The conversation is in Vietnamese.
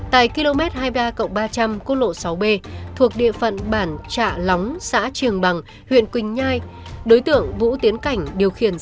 tại km hai mươi ba cộng ba trăm linh quốc lộ sáu b thuộc địa phận bản trạ lóng xã triềng bằng huyện quỳnh nhai